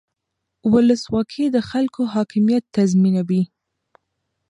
ولسواکي د خلکو حاکمیت تضمینوي